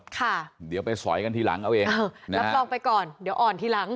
ค่ะเดี๋ยวไปสอยกันทีหลังเอาเองรับรองไปก่อนเดี๋ยวอ่อนทีหลัง